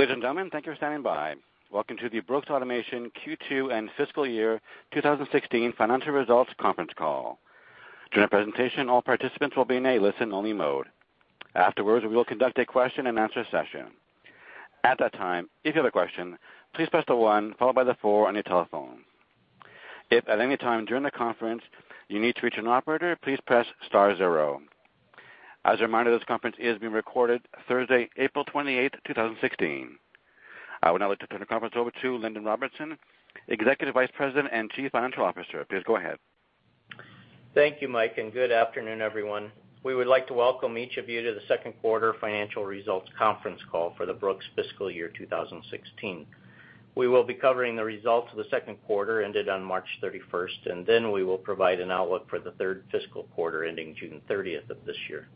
Ladies and gentlemen, thank you for standing by. Welcome to the Brooks Automation Q2 and fiscal year 2016 financial results conference call. During the presentation, all participants will be in a listen-only mode. Afterwards, we will conduct a question-and-answer session. At that time, if you have a question, please press the one followed by the four on your telephone. If at any time during the conference, you need to reach an operator, please press star zero. As a reminder, this conference is being recorded Thursday, April 28th, 2016. I would now like to turn the conference over to Lindon Robertson, Executive Vice President and Chief Financial Officer. Please go ahead. Thank you, Mike. Good afternoon, everyone. We would like to welcome each of you to the second quarter financial results conference call for the Brooks fiscal year 2016. We will be covering the results of the second quarter ended on March 31st. We will then provide an outlook for the third fiscal quarter ending June 30th of this year.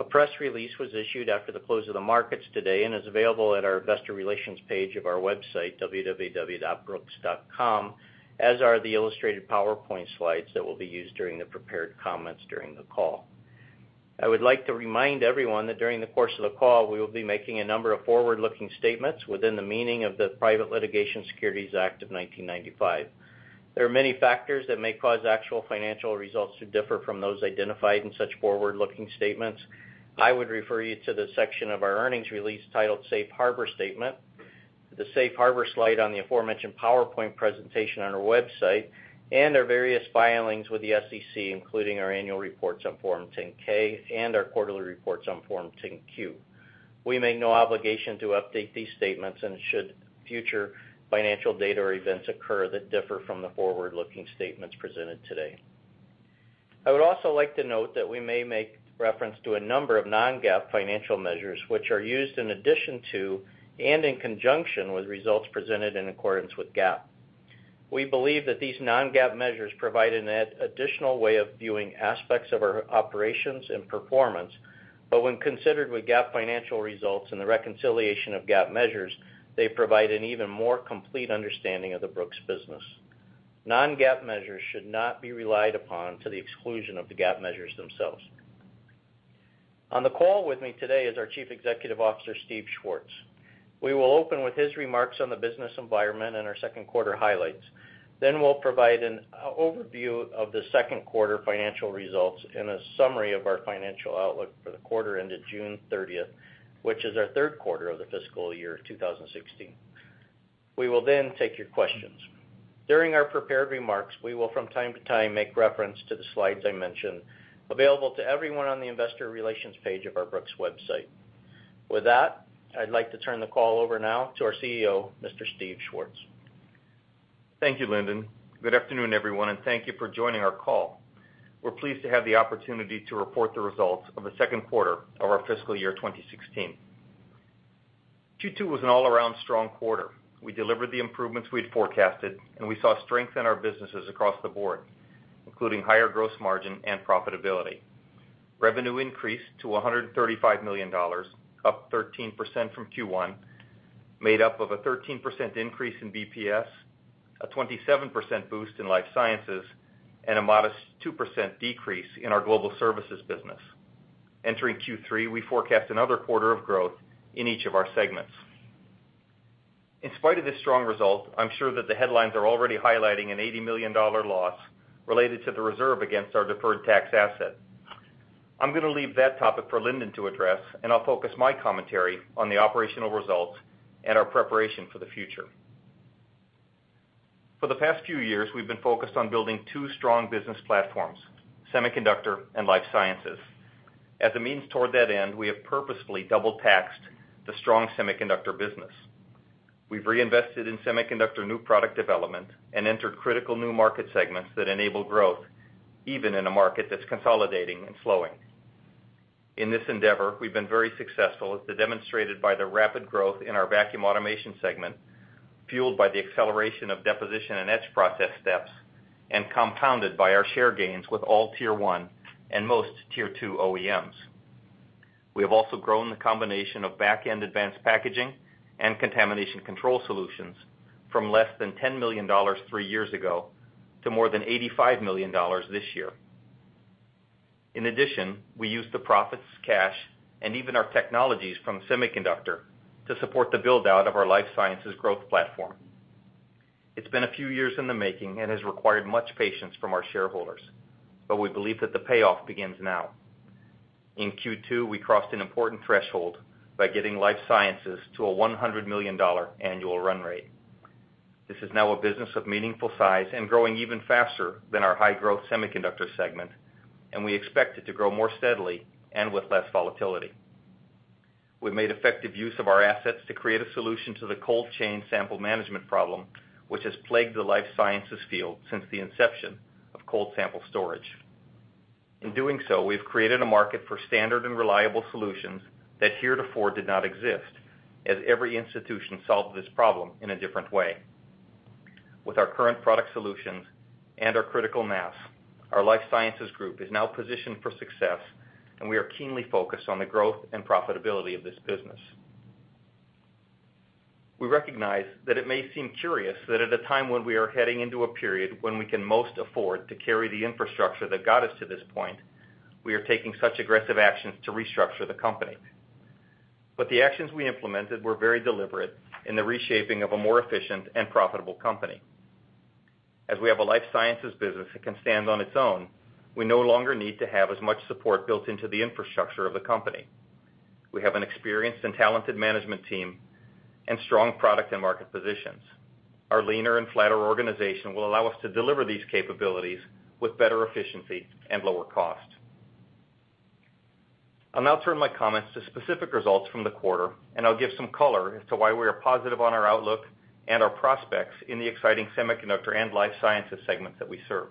A press release was issued after the close of the markets today and is available at our investor relations page of our website, www.brooks.com, as are the illustrated PowerPoint slides that will be used during the prepared comments during the call. I would like to remind everyone that during the course of the call, we will be making a number of forward-looking statements within the meaning of the Private Securities Litigation Reform Act of 1995. There are many factors that may cause actual financial results to differ from those identified in such forward-looking statements. I would refer you to the section of our earnings release titled Safe Harbor Statement, the Safe Harbor slide on the aforementioned PowerPoint presentation on our website, and our various filings with the SEC, including our annual reports on Form 10-K and our quarterly reports on Form 10-Q. We make no obligation to update these statements and should future financial data or events occur that differ from the forward-looking statements presented today. I would also like to note that we may make reference to a number of non-GAAP financial measures, which are used in addition to and in conjunction with results presented in accordance with GAAP. We believe that these non-GAAP measures provide an additional way of viewing aspects of our operations and performance. When considered with GAAP financial results and the reconciliation of GAAP measures, they provide an even more complete understanding of the Brooks business. Non-GAAP measures should not be relied upon to the exclusion of the GAAP measures themselves. On the call with me today is our Chief Executive Officer, Steve Schwartz. We will open with his remarks on the business environment and our second quarter highlights. We will then provide an overview of the second quarter financial results and a summary of our financial outlook for the quarter ended June 30th, which is our third quarter of the fiscal year 2016. We will then take your questions. During our prepared remarks, we will from time to time make reference to the slides I mentioned, available to everyone on the investor relations page of our Brooks website. With that, I'd like to turn the call over now to our CEO, Mr. Steve Schwartz. Thank you, Lindon. Good afternoon, everyone, and thank you for joining our call. We're pleased to have the opportunity to report the results of the second quarter of our fiscal year 2016. Q2 was an all-around strong quarter. We delivered the improvements we'd forecasted, and we saw strength in our businesses across the board, including higher gross margin and profitability. Revenue increased to $135 million, up 13% from Q1, made up of a 13% increase in BPS, a 27% boost in Life Sciences, and a modest 2% decrease in our Global Services business. Entering Q3, we forecast another quarter of growth in each of our segments. In spite of this strong result, I'm sure that the headlines are already highlighting an $80 million loss related to the reserve against our deferred tax asset. I'm going to leave that topic for Lindon to address, and I'll focus my commentary on the operational results and our preparation for the future. For the past few years, we've been focused on building two strong business platforms, Semiconductor and Life Sciences. As a means toward that end, we have purposefully double taxed the strong Semiconductor business. We've reinvested in Semiconductor new product development and entered critical new market segments that enable growth even in a market that's consolidating and slowing. In this endeavor, we've been very successful as demonstrated by the rapid growth in our Vacuum Automation segment, fueled by the acceleration of deposition and etch process steps, and compounded by our share gains with all tier 1 and most tier 2 OEMs. We have also grown the combination of back-end advanced packaging and Contamination Control Solutions from less than $10 million three years ago to more than $85 million this year. In addition, we used the profits, cash, and even our technologies from Semiconductor to support the build-out of our Life Sciences growth platform. It's been a few years in the making and has required much patience from our shareholders, but we believe that the payoff begins now. In Q2, we crossed an important threshold by getting Life Sciences to a $100 million annual run rate. This is now a business of meaningful size and growing even faster than our high-growth Semiconductor segment, and we expect it to grow more steadily and with less volatility. We've made effective use of our assets to create a solution to the cold chain sample management problem, which has plagued the Life Sciences field since the inception of cold sample storage. In doing so, we've created a market for standard and reliable solutions that heretofore did not exist, as every institution solved this problem in a different way. With our current product solutions and our critical mass, our Life Sciences group is now positioned for success, and we are keenly focused on the growth and profitability of this business. We recognize that it may seem curious that at a time when we are heading into a period when we can most afford to carry the infrastructure that got us to this point, we are taking such aggressive actions to restructure the company. The actions we implemented were very deliberate in the reshaping of a more efficient and profitable company. As we have a Life Sciences business that can stand on its own, we no longer need to have as much support built into the infrastructure of the company. We have an experienced and talented management team and strong product and market positions. Our leaner and flatter organization will allow us to deliver these capabilities with better efficiency and lower cost. I'll now turn my comments to specific results from the quarter, I'll give some color as to why we are positive on our outlook and our prospects in the exciting semiconductor and Life Sciences segments that we serve.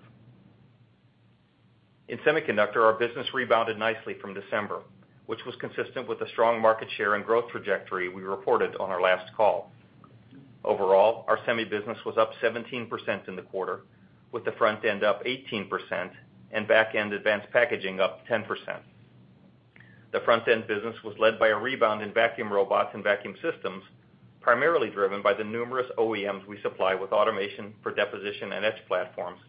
In semiconductor, our business rebounded nicely from December, which was consistent with the strong market share and growth trajectory we reported on our last call. Overall, our semi business was up 17% in the quarter, with the front end up 18% and back end advanced packaging up 10%. The front end business was led by a rebound in vacuum robots and vacuum systems, primarily driven by the numerous OEMs we supply with automation for deposition and etch platforms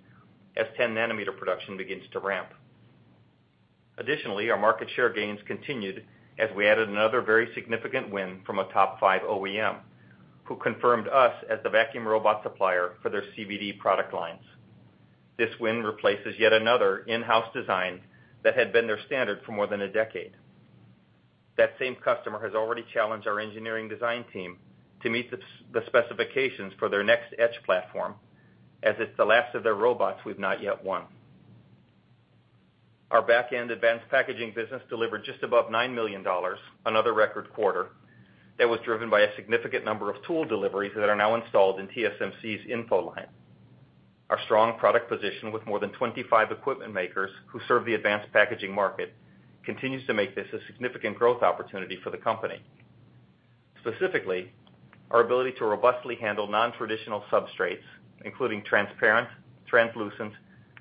as 10 nanometer production begins to ramp. Additionally, our market share gains continued as we added another very significant win from a top 5 OEM, who confirmed us as the vacuum robot supplier for their CVD product lines. This win replaces yet another in-house design that had been their standard for more than a decade. That same customer has already challenged our engineering design team to meet the specifications for their next etch platform, as it's the last of their robots we've not yet won. Our back end advanced packaging business delivered just above $9 million, another record quarter, that was driven by a significant number of tool deliveries that are now installed in TSMC's InFO line. Our strong product position with more than 25 equipment makers who serve the advanced packaging market continues to make this a significant growth opportunity for the company. Specifically, our ability to robustly handle non-traditional substrates, including transparent, translucent,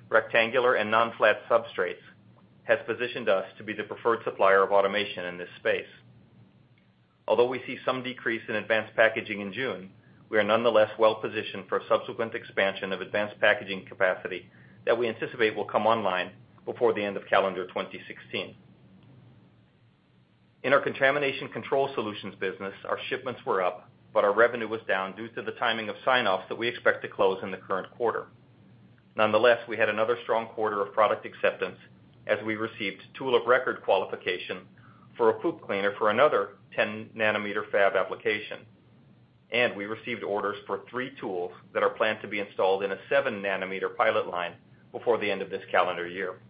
rectangular, and non-flat substrates, has positioned us to be the preferred supplier of automation in this space. We see some decrease in advanced packaging in June, we are nonetheless well positioned for subsequent expansion of advanced packaging capacity that we anticipate will come online before the end of calendar 2016. In our Contamination Control Solutions business, our shipments were up, but our revenue was down due to the timing of sign-offs that we expect to close in the current quarter. Nonetheless, we had another strong quarter of product acceptance as we received tool of record qualification for a pod cleaner for another 10 nanometer fab application. We received orders for three tools that are planned to be installed in a seven nanometer pilot line before the end of this calendar year. We see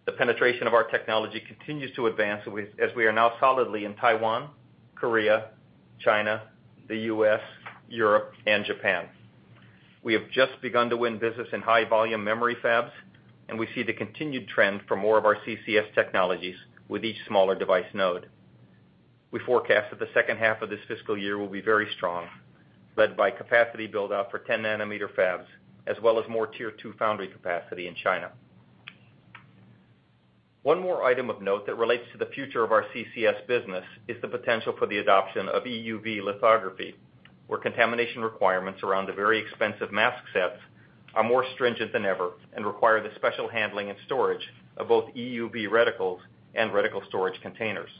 the continued trend for more of our CCS technologies with each smaller device node. The penetration of our technology continues to advance as we are now solidly in Taiwan, Korea, China, the U.S., Europe, and Japan. We have just begun to win business in high volume memory fabs. We forecast that the second half of this fiscal year will be very strong, led by capacity build out for 10 nanometer fabs, as well as more Tier 2 foundry capacity in China. One more item of note that relates to the future of our CCS business is the potential for the adoption of EUV lithography, where contamination requirements around the very expensive mask sets are more stringent than ever and require the special handling and storage of both EUV reticles and reticle storage containers.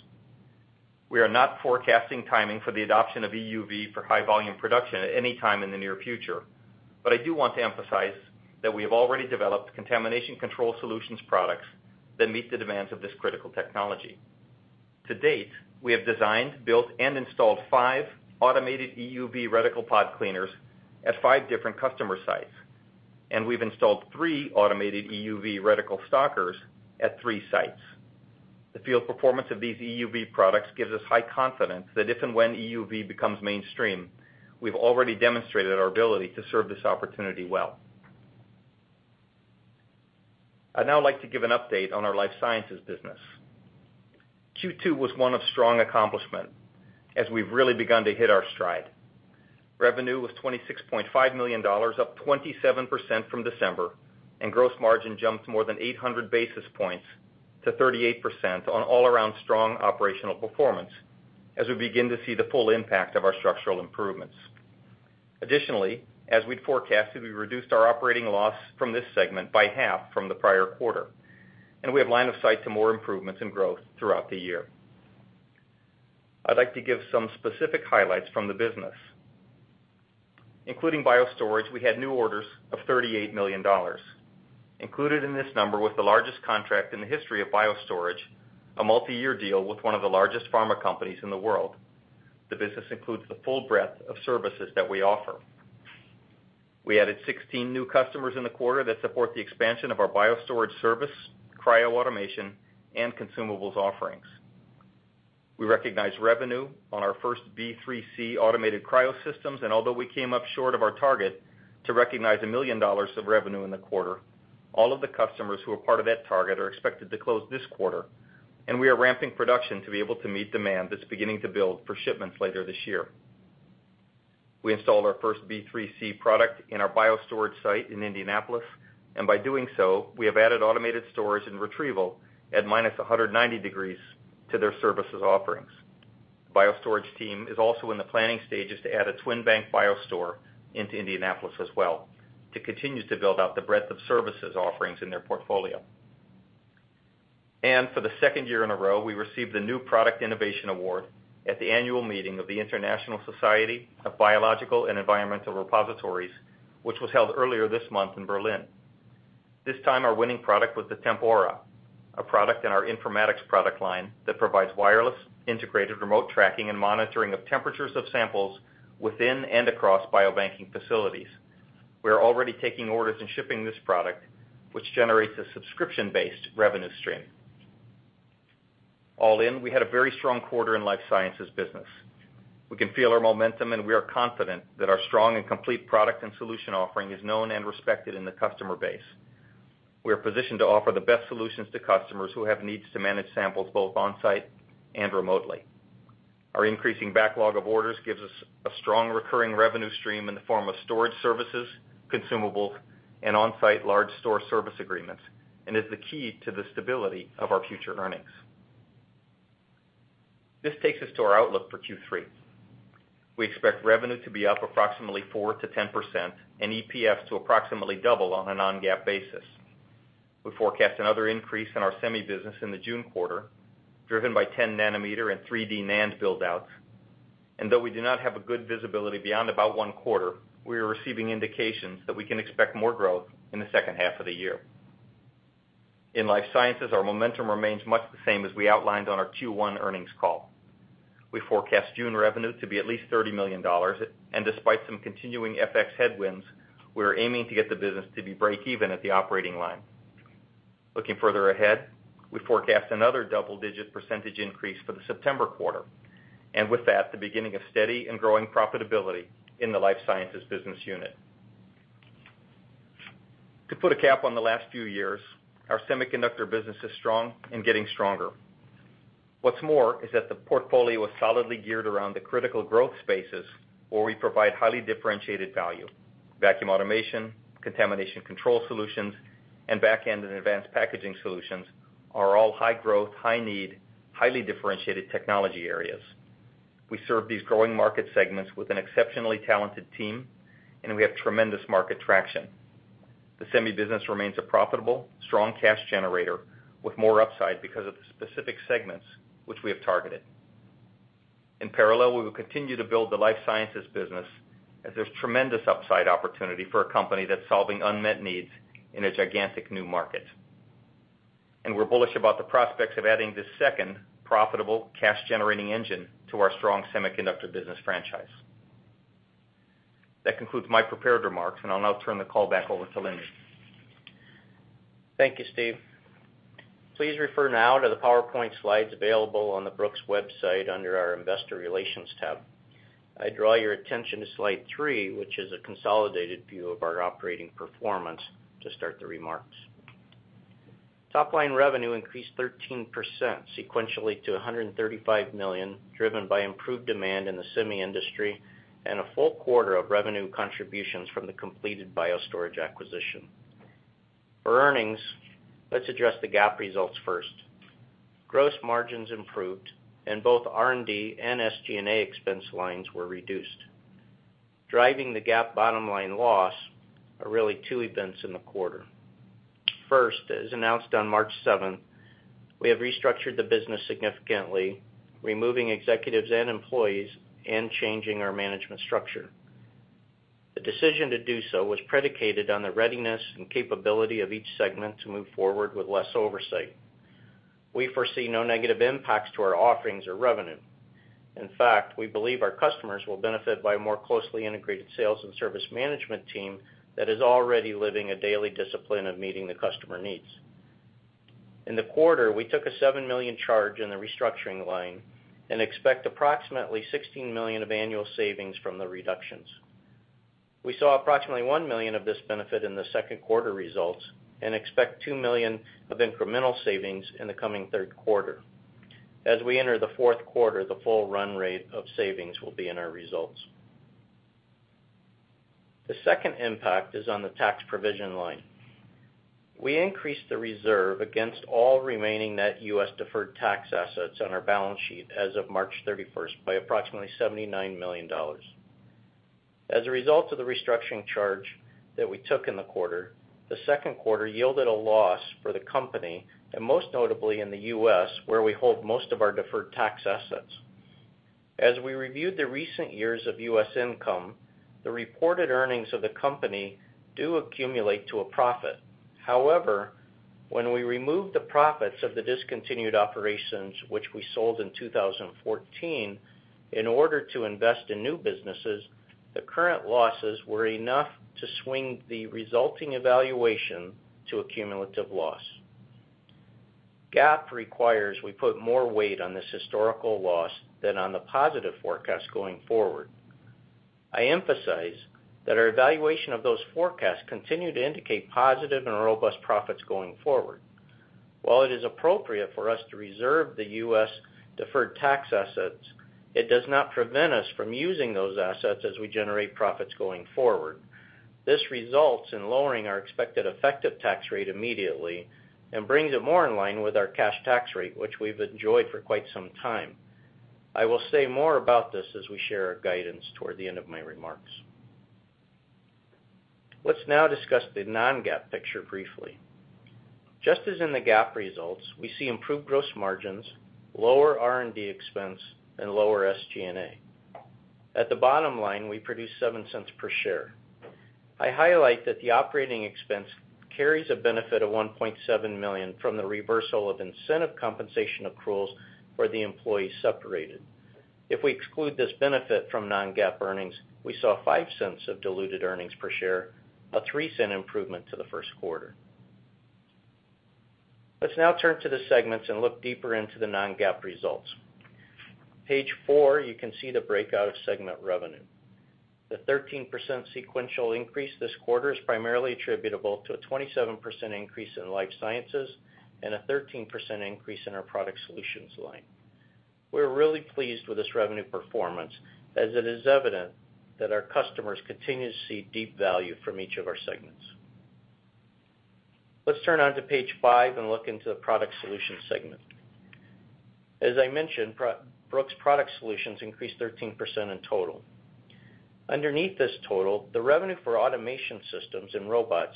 We are not forecasting timing for the adoption of EUV for high volume production at any time in the near future, but I do want to emphasize that we have already developed Contamination Control Solutions products that meet the demands of this critical technology. To date, we have designed, built, and installed five automated EUV reticle pod cleaners at five different customer sites, and we've installed three automated EUV reticle stockers at three sites. The field performance of these EUV products gives us high confidence that if and when EUV becomes mainstream, we've already demonstrated our ability to serve this opportunity well. I'd now like to give an update on our life sciences business. Q2 was one of strong accomplishment, as we've really begun to hit our stride. Revenue was $26.5 million, up 27% from December, and gross margin jumped more than 800 basis points to 38% on all around strong operational performance as we begin to see the full impact of our structural improvements. Additionally, as we'd forecasted, we reduced our operating loss from this segment by half from the prior quarter, and we have line of sight to more improvements in growth throughout the year. I'd like to give some specific highlights from the business. Including BioStorage, we had new orders of $38 million. Included in this number was the largest contract in the history of BioStorage, a multi-year deal with one of the largest pharma companies in the world. The business includes the full breadth of services that we offer. We added 16 new customers in the quarter that support the expansion of our BioStorage service, cryo automation, and consumables offerings. We recognized revenue on our first B3C automated cryo systems, although we came up short of our target to recognize $1 million of revenue in the quarter. All of the customers who are part of that target are expected to close this quarter, and we are ramping production to be able to meet demand that's beginning to build for shipments later this year. We installed our first B3C product in our BioStorage site in Indianapolis, and by doing so, we have added automated storage and retrieval at -190 degrees to their services offerings. BioStorage team is also in the planning stages to add a twin bank BioStore into Indianapolis as well, to continue to build out the breadth of services offerings in their portfolio. For the second year in a row, we received the New Product Innovation Award at the annual meeting of the International Society for Biological and Environmental Repositories, which was held earlier this month in Berlin. This time, our winning product was the TempAura, a product in our informatics product line that provides wireless, integrated remote tracking and monitoring of temperatures of samples within and across biobanking facilities. We are already taking orders and shipping this product, which generates a subscription-based revenue stream. All in, we had a very strong quarter in life sciences business. We can feel our momentum, and we are confident that our strong and complete product and solution offering is known and respected in the customer base. We are positioned to offer the best solutions to customers who have needs to manage samples both on-site and remotely. Our increasing backlog of orders gives us a strong recurring revenue stream in the form of storage services, consumables, and on-site large store service agreements, is the key to the stability of our future earnings. This takes us to our outlook for Q3. We expect revenue to be up approximately 4%-10%, and EPS to approximately double on a non-GAAP basis. We forecast another increase in our semi business in the June quarter, driven by 10 nanometer and 3D NAND build-outs. Though we do not have good visibility beyond about one quarter, we are receiving indications that we can expect more growth in the second half of the year. In life sciences, our momentum remains much the same as we outlined on our Q1 earnings call. We forecast June revenue to be at least $30 million. Despite some continuing FX headwinds, we are aiming to get the business to be break-even at the operating line. Looking further ahead, we forecast another double-digit percentage increase for the September quarter. With that, the beginning of steady and growing profitability in the life sciences business unit. To put a cap on the last few years, our semiconductor business is strong and getting stronger. What's more is that the portfolio is solidly geared around the critical growth spaces where we provide highly differentiated value. Vacuum automation, Contamination Control Solutions, and back-end and advanced packaging solutions are all high-growth, high-need, highly differentiated technology areas. We serve these growing market segments with an exceptionally talented team, and we have tremendous market traction. The semi business remains a profitable, strong cash generator with more upside because of the specific segments which we have targeted. In parallel, we will continue to build the life sciences business as there's tremendous upside opportunity for a company that's solving unmet needs in a gigantic new market. We're bullish about the prospects of adding this second profitable cash-generating engine to our strong semiconductor business franchise. That concludes my prepared remarks, and I'll now turn the call back over to Lindon. Thank you, Steve. Please refer now to the brooks.com website under our investor relations tab. I draw your attention to slide three, which is a consolidated view of our operating performance to start the remarks. Top-line revenue increased 13% sequentially to $135 million, driven by improved demand in the semi industry and a full quarter of revenue contributions from the completed BioStorage acquisition. For earnings, let's address the GAAP results first. Gross margins improved, and both R&D and SG&A expense lines were reduced. Driving the GAAP bottom-line loss are really two events in the quarter. First, as announced on March 7th, we have restructured the business significantly, removing executives and employees and changing our management structure. The decision to do so was predicated on the readiness and capability of each segment to move forward with less oversight. We foresee no negative impacts to our offerings or revenue. In fact, we believe our customers will benefit by a more closely integrated sales and service management team that is already living a daily discipline of meeting the customer needs. In the quarter, we took a $7 million charge in the restructuring line and expect approximately $16 million of annual savings from the reductions. We saw approximately $1 million of this benefit in the second quarter results and expect $2 million of incremental savings in the coming third quarter. As we enter the fourth quarter, the full run rate of savings will be in our results. The second impact is on the tax provision line. We increased the reserve against all remaining net U.S. deferred tax assets on our balance sheet as of March 31st by approximately $79 million. As a result of the restructuring charge that we took in the quarter, the second quarter yielded a loss for the company, and most notably in the U.S., where we hold most of our deferred tax assets. As we reviewed the recent years of U.S. income, the reported earnings of the company do accumulate to a profit. However, when we remove the profits of the discontinued operations, which we sold in 2014, in order to invest in new businesses, the current losses were enough to swing the resulting evaluation to a cumulative loss. GAAP requires we put more weight on this historical loss than on the positive forecast going forward. I emphasize that our evaluation of those forecasts continue to indicate positive and robust profits going forward. While it is appropriate for us to reserve the U.S. deferred tax assets, it does not prevent us from using those assets as we generate profits going forward. This results in lowering our expected effective tax rate immediately and brings it more in line with our cash tax rate, which we've enjoyed for quite some time. I will say more about this as we share our guidance toward the end of my remarks. Let's now discuss the non-GAAP picture briefly. Just as in the GAAP results, we see improved gross margins, lower R&D expense, and lower SG&A. At the bottom line, we produce $0.07 per share. I highlight that the operating expense carries a benefit of $1.7 million from the reversal of incentive compensation accruals for the employees separated. If we exclude this benefit from non-GAAP earnings, we saw $0.05 of diluted earnings per share, a $0.03 improvement to the first quarter. Let's now turn to the segments and look deeper into the non-GAAP results. Page four, you can see the breakout of segment revenue. The 13% sequential increase this quarter is primarily attributable to a 27% increase in life sciences and a 13% increase in our Product Solutions line. We're really pleased with this revenue performance, as it is evident that our customers continue to see deep value from each of our segments. Let's turn on to page five and look into the Product Solutions segment. As I mentioned, Brooks Product Solutions increased 13% in total. Underneath this total, the revenue for automation systems and robots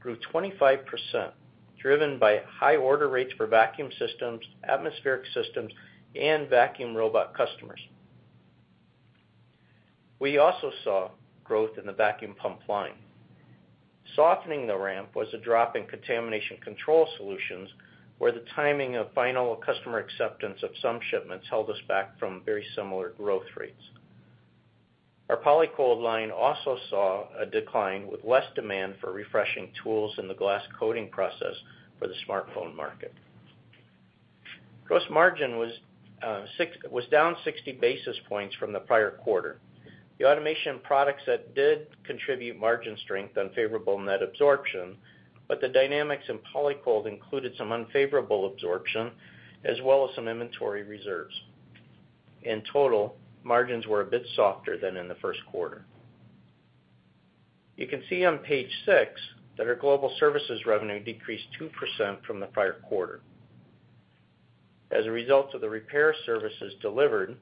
grew 25%, driven by high order rates for vacuum systems, atmospheric systems, and vacuum robot customers. We also saw growth in the vacuum pump line. Softening the ramp was a drop in Contamination Control Solutions, where the timing of final customer acceptance of some shipments held us back from very similar growth rates. Our Polycold line also saw a decline, with less demand for refreshing tools in the glass coating process for the smartphone market. Gross margin was down 60 basis points from the prior quarter. The automation products that did contribute margin strength unfavorable net absorption, but the dynamics in Polycold included some unfavorable absorption, as well as some inventory reserves. In total, margins were a bit softer than in the first quarter. You can see on page six that our Global Services revenue decreased 2% from the prior quarter. As a result of the repair services delivered,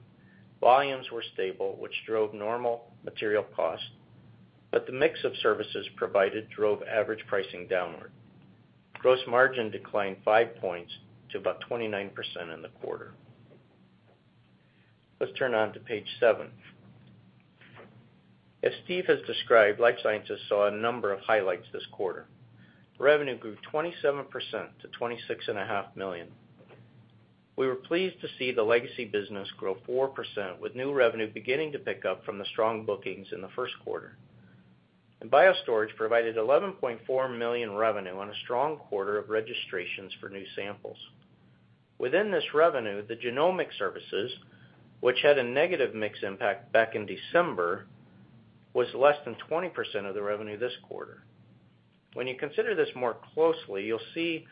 volumes were stable, which drove normal material cost, but the mix of services provided drove average pricing downward. Gross margin declined five points to about 29% in the quarter. Let's turn on to page seven. As Steve has described, life sciences saw a number of highlights this quarter. Revenue grew 27% to $26.5 million. We were pleased to see the legacy business grow 4%, with new revenue beginning to pick up from the strong bookings in the first quarter. BioStorage provided $11.4 million revenue on a strong quarter of registrations for new samples. Within this revenue, the genomic services, which had a negative mix impact back in December, was less than 20% of the revenue this quarter. When you consider this more closely, you'll see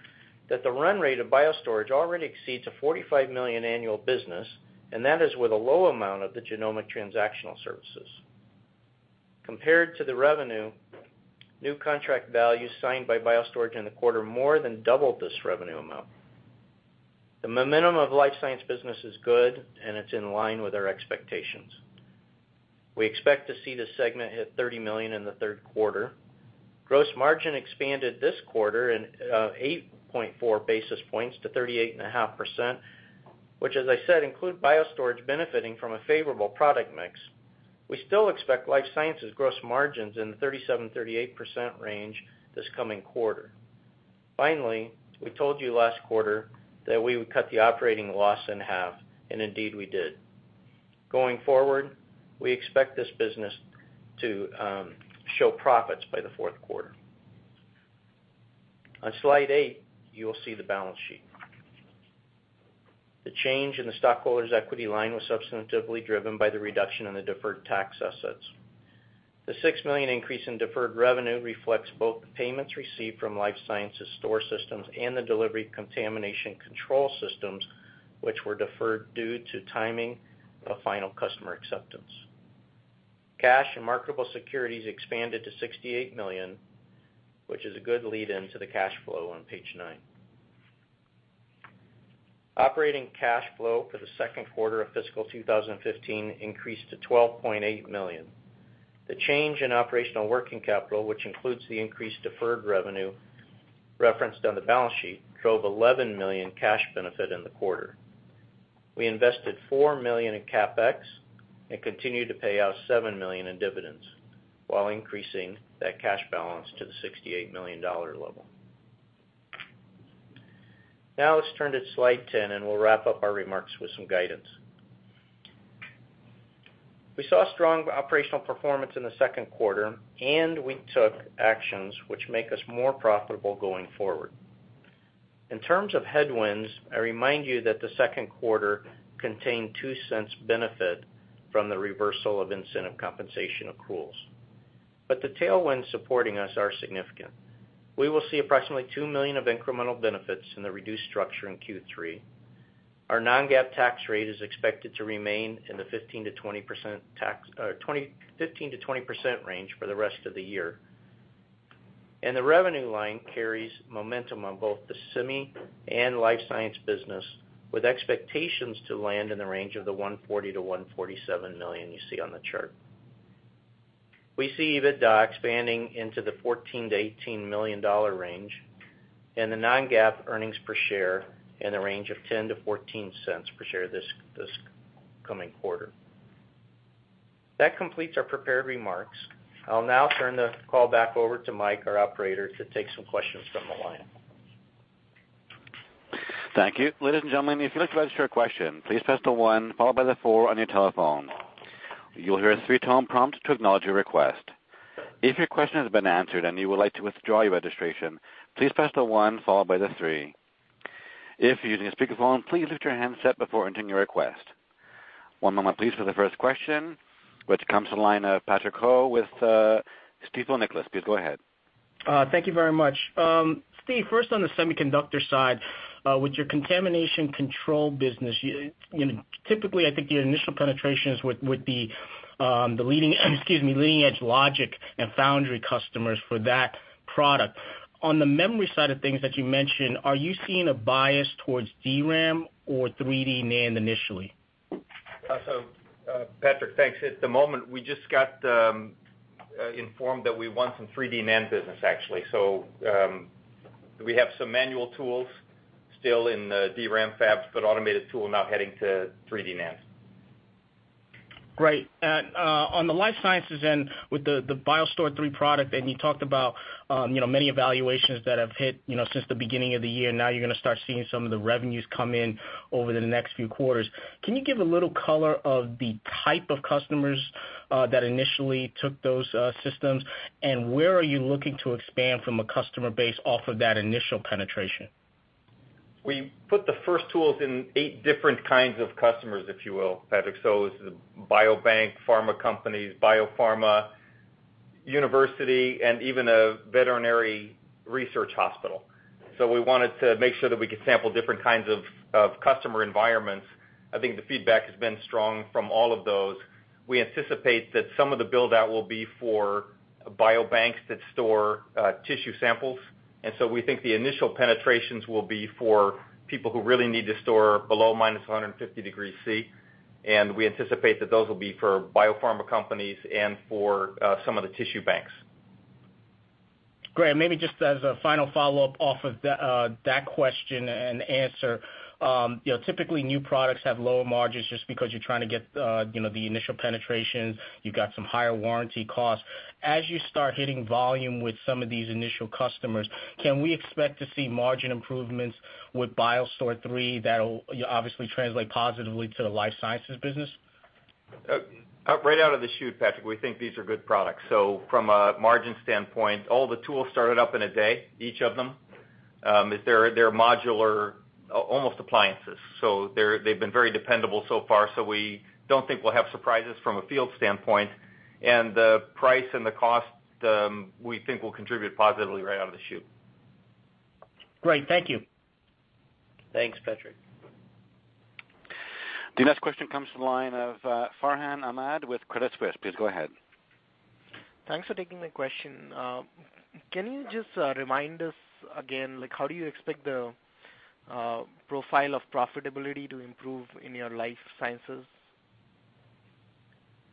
that the run rate of BioStorage already exceeds a $45 million annual business, that is with a low amount of the genomic transactional services. Compared to the revenue, new contract value signed by BioStorage in the quarter more than doubled this revenue amount. The momentum of life science business is good, it's in line with our expectations. We expect to see this segment hit $30 million in the third quarter. Gross margin expanded this quarter in 8.4 basis points to 38.5%, which as I said, include BioStorage benefiting from a favorable product mix. We still expect life sciences gross margins in the 37%-38% range this coming quarter. Finally, we told you last quarter that we would cut the operating loss in half, and indeed we did. Going forward, we expect this business to show profits by the fourth quarter. On slide eight, you will see the balance sheet. The change in the stockholders' equity line was substantively driven by the reduction in the deferred tax assets. The $6 million increase in deferred revenue reflects both the payments received from life sciences store systems and the delivery contamination control systems, which were deferred due to timing of final customer acceptance. Cash and marketable securities expanded to $68 million, which is a good lead-in to the cash flow on page nine. Operating cash flow for the second quarter of fiscal 2015 increased to $12.8 million. The change in operational working capital, which includes the increased deferred revenue referenced on the balance sheet, drove $11 million cash benefit in the quarter. We invested $4 million in CapEx and continued to pay out $7 million in dividends while increasing that cash balance to the $68 million level. Let's turn to slide 10, we'll wrap up our remarks with some guidance. We saw strong operational performance in the second quarter, we took actions which make us more profitable going forward. In terms of headwinds, I remind you that the second quarter contained $0.02 benefit from the reversal of incentive compensation accruals. The tailwinds supporting us are significant. We will see approximately $2 million of incremental benefits in the reduced structure in Q3. Our non-GAAP tax rate is expected to remain in the 15%-20% range for the rest of the year. The revenue line carries momentum on both the semi and life science business, with expectations to land in the range of the $140 million-$147 million you see on the chart. We see EBITDA expanding into the $14 million-$18 million range, the non-GAAP earnings per share in the range of $0.10-$0.14 per share this coming quarter. That completes our prepared remarks. I'll now turn the call back over to Mike, our operator, to take some questions from the line. Thank you. Ladies and gentlemen, if you'd like to register a question, please press the one followed by the four on your telephone. You will hear a three-tone prompt to acknowledge your request. If your question has been answered and you would like to withdraw your registration, please press the one followed by the three. If you're using a speakerphone, please lift your handset before entering your request. One moment please for the first question, which comes from the line of Patrick Ho with Stifel Nicolaus. Please go ahead. Thank you very much. Steve, first on the semiconductor side, with your Contamination Control Solutions business, typically, I think your initial penetrations would be the leading edge logic and foundry customers for that product. On the memory side of things that you mentioned, are you seeing a bias towards DRAM or 3D NAND initially? Patrick, thanks. At the moment, we just got informed that we won some 3D NAND business, actually. We have some manual tools still in the DRAM fabs, but automated tool now heading to 3D NAND. Great. On the life sciences end, with the BioStore III product, you talked about many evaluations that have hit since the beginning of the year. Now you're going to start seeing some of the revenues come in over the next few quarters. Can you give a little color of the type of customers that initially took those systems? Where are you looking to expand from a customer base off of that initial penetration? We put the first tools in eight different kinds of customers, if you will, Patrick. This is biobank, pharma companies, biopharma, university, and even a veterinary research hospital. We wanted to make sure that we could sample different kinds of customer environments. I think the feedback has been strong from all of those. We anticipate that some of the build-out will be for biobanks that store tissue samples, and we think the initial penetrations will be for people who really need to store below -150 degrees C, and we anticipate that those will be for biopharma companies and for some of the tissue banks. Great, maybe just as a final follow-up off of that question and answer. Typically, new products have lower margins just because you're trying to get the initial penetration. You've got some higher warranty costs. As you start hitting volume with some of these initial customers, can we expect to see margin improvements with BioStore III that'll obviously translate positively to the life sciences business? Right out of the chute, Patrick, we think these are good products. From a margin standpoint, all the tools started up in a day, each of them. They're modular, almost appliances. They've been very dependable so far, we don't think we'll have surprises from a field standpoint. The price and the cost, we think will contribute positively right out of the chute. Great. Thank you. Thanks, Patrick. The next question comes from the line of Farhan Ahmad with Credit Suisse. Please go ahead. Thanks for taking my question. Can you just remind us again, how do you expect the profile of profitability to improve in your life sciences?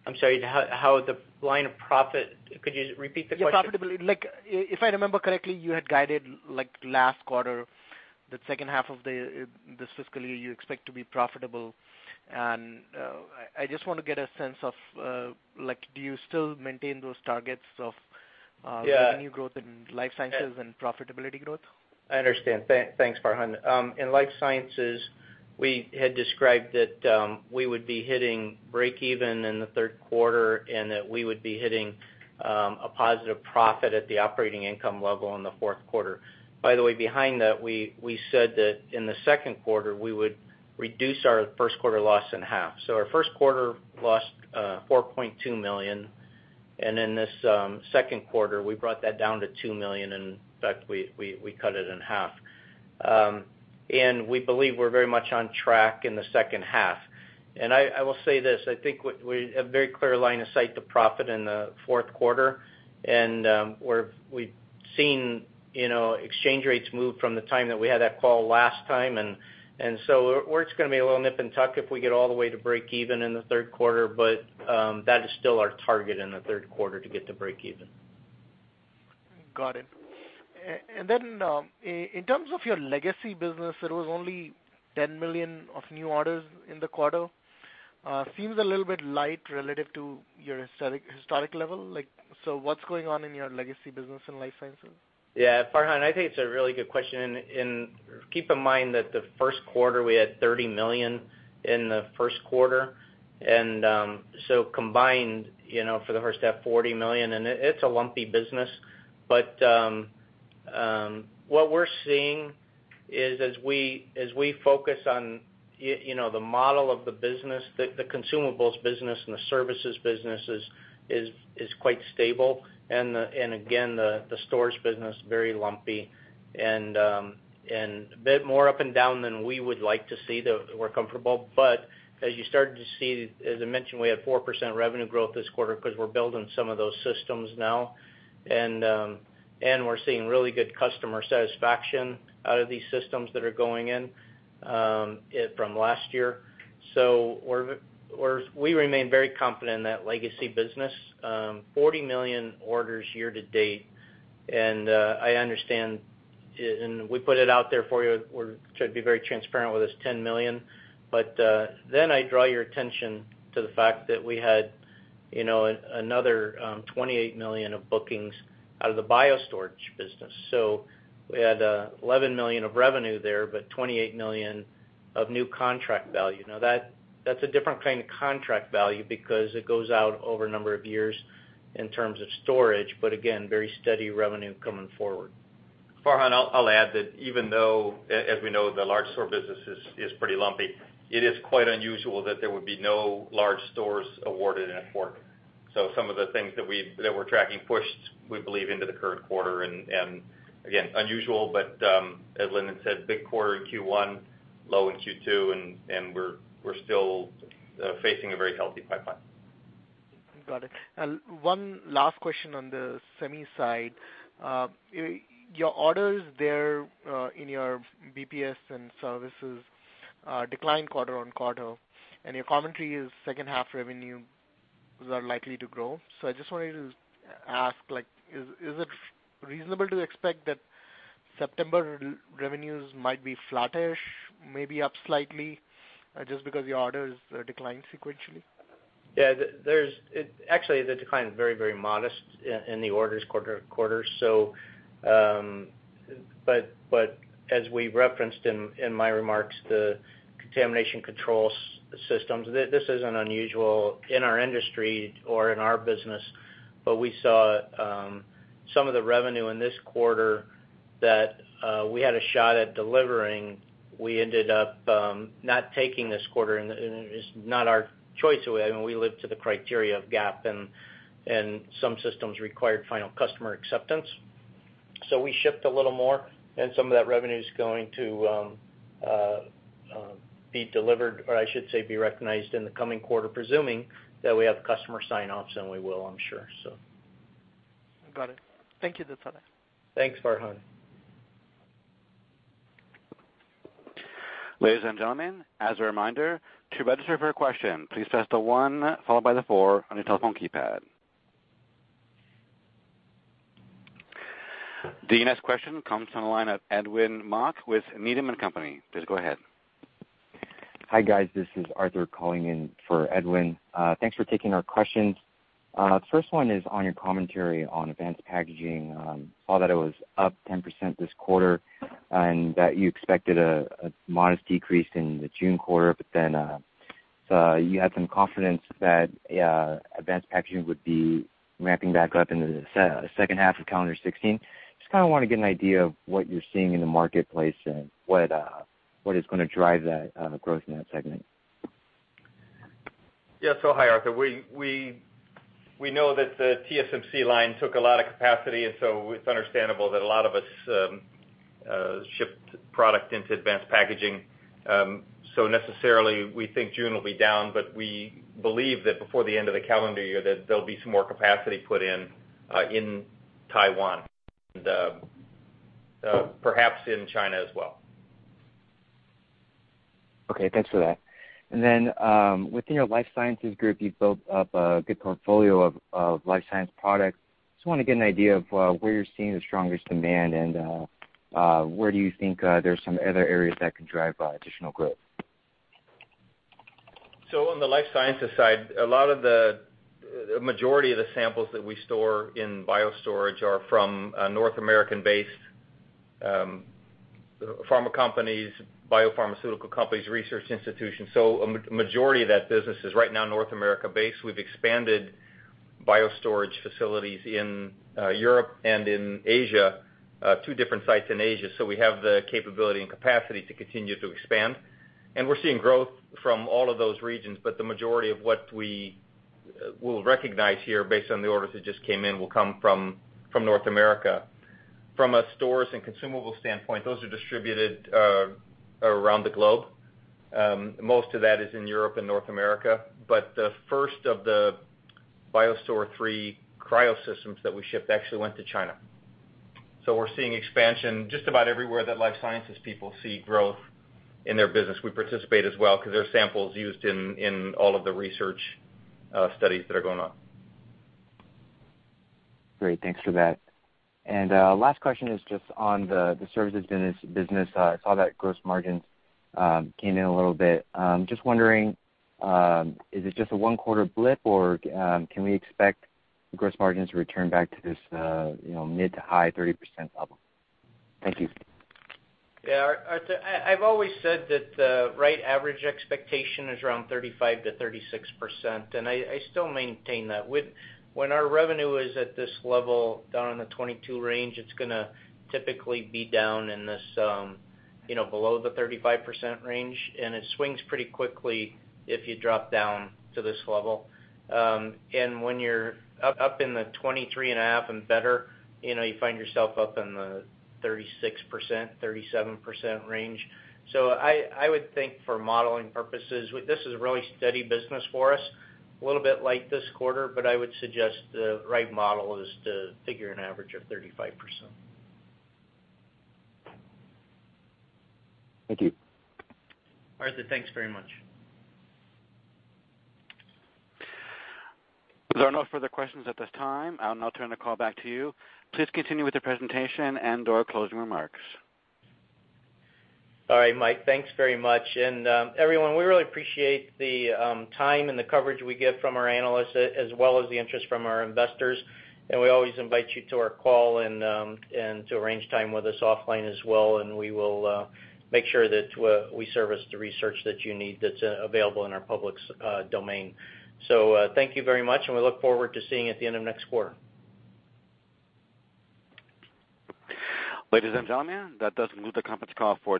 I'm sorry. Could you repeat the question? Yeah, profitability. If I remember correctly, you had guided last quarter, that second half of this fiscal year, you expect to be profitable. I just want to get a sense of do you still maintain those targets of. Yeah revenue growth in life sciences and profitability growth? I understand. Thanks, Farhan. In life sciences, we had described that we would be hitting breakeven in the third quarter and that we would be hitting a positive profit at the operating income level in the fourth quarter. By the way, behind that, we said that in the second quarter, we would reduce our first quarter loss in half. Our first quarter lost $4.2 million, and in this second quarter, we brought that down to $2 million. In fact, we cut it in half. We believe we're very much on track in the second half. I will say this, I think we have very clear line of sight to profit in the fourth quarter, and we've seen exchange rates move from the time that we had that call last time. It's going to be a little nip and tuck if we get all the way to breakeven in the third quarter, but that is still our target in the third quarter, to get to breakeven. Got it. In terms of your legacy business, it was only $10 million of new orders in the quarter. Seems a little bit light relative to your historic level. What's going on in your legacy business in life sciences? Yeah, Farhan, I think it's a really good question. Keep in mind that the first quarter, we had $30 million in the first quarter. Combined, for the first half, $40 million, it's a lumpy business. What we're seeing is as we focus on the model of the business, the consumables business and the services business is quite stable. Again, the storage business, very lumpy and a bit more up and down than we would like to see that we're comfortable. As you started to see, as I mentioned, we had 4% revenue growth this quarter because we're building some of those systems now. We're seeing really good customer satisfaction out of these systems that are going in from last year. We remain very confident in that legacy business. 40 million orders year-to-date. I understand, and we put it out there for you, we try to be very transparent with this $10 million. I draw your attention to the fact that we had another $28 million of bookings out of the BioStorage business. We had $11 million of revenue there, $28 million of new contract value. That's a different kind of contract value because it goes out over a number of years in terms of storage, again, very steady revenue coming forward. Farhan, I'll add that even though, as we know, the large store business is pretty lumpy, it is quite unusual that there would be no large stores awarded in a quarter. Some of the things that we're tracking pushed, we believe, into the current quarter, again, unusual but, as Lindon said, big quarter in Q1, low in Q2, we're still facing a very healthy pipeline. Got it. One last question on the semi side. Your orders there in your BPS and services declined quarter-over-quarter. Your commentary is second half revenues are likely to grow. I just wanted to ask, is it reasonable to expect that September revenues might be flattish, maybe up slightly, just because your orders declined sequentially? Yeah. Actually, the decline is very modest in the orders quarter. As we referenced in my remarks, the Contamination Control Solutions, this isn't unusual in our industry or in our business, but we saw some of the revenue in this quarter that we had a shot at delivering, we ended up not taking this quarter, and it is not our choice. We live to the criteria of GAAP. Some systems required final customer acceptance. We shipped a little more and some of that revenue is going to be delivered, or I should say, be recognized in the coming quarter, presuming that we have customer sign-offs. We will, I'm sure. Got it. Thank you. That's all. Thanks, Farhan. Ladies and gentlemen, as a reminder, to register for a question, please press the one followed by the four on your telephone keypad. The next question comes on the line of Edwin Mok with Needham & Company. Please go ahead. Hi, guys. This is Arthur calling in for Edwin. Thanks for taking our questions. First one is on your commentary on advanced packaging. Saw that it was up 10% this quarter, and that you expected a modest decrease in the June quarter. You had some confidence that advanced packaging would be ramping back up into the second half of calendar 2016. Just want to get an idea of what you're seeing in the marketplace and what is going to drive that growth in that segment. Yeah. Hi, Arthur. We know that the TSMC line took a lot of capacity, and so it's understandable that a lot of us shipped product into advanced packaging. Necessarily, we think June will be down, but we believe that before the end of the calendar year, that there'll be some more capacity put in Taiwan, and perhaps in China as well. Okay, thanks for that. Within your life sciences group, you've built up a good portfolio of life science products. Just want to get an idea of where you're seeing the strongest demand and where do you think there's some other areas that can drive additional growth? On the life sciences side, a majority of the samples that we store in BioStorage are from North American-based pharma companies, biopharmaceutical companies, research institutions. A majority of that business is right now North America based. We've expanded BioStorage facilities in Europe and in Asia, two different sites in Asia. We have the capability and capacity to continue to expand. And we're seeing growth from all of those regions, but the majority of what we will recognize here based on the orders that just came in will come from North America. From a storage and consumable standpoint, those are distributed around the globe. Most of that is in Europe and North America, but the first of the BioStore III Cryo systems that we shipped actually went to China. We're seeing expansion just about everywhere that life sciences people see growth in their business. We participate as well because there's samples used in all of the research studies that are going on. Great. Thanks for that. Last question is just on the services business. I saw that gross margins came in a little bit. Just wondering, is it just a one-quarter blip, or can we expect gross margins to return back to this mid to high 30% level? Thank you. Arthur, I've always said that the right average expectation is around 35%-36%, and I still maintain that. When our revenue is at this level, down in the 22 range, it's going to typically be down below the 35% range, and it swings pretty quickly if you drop down to this level. And when you're up in the 23 and a half and better, you find yourself up in the 36%, 37% range. I would think for modeling purposes, this is a really steady business for us, a little bit light this quarter, but I would suggest the right model is to figure an average of 35%. Thank you. Arthur, thanks very much. There are no further questions at this time. I'll now turn the call back to you. Please continue with the presentation and/or closing remarks. All right. Mike, thanks very much. Everyone, we really appreciate the time and the coverage we get from our analysts as well as the interest from our investors. We always invite you to our call and to arrange time with us offline as well, and we will make sure that we service the research that you need that's available in our public domain. Thank you very much, and we look forward to seeing you at the end of next quarter. Ladies and gentlemen, that does conclude the conference call for